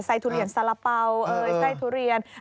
ใส่ทุเรียนสาระเปาใส่ทุเรียนไอติม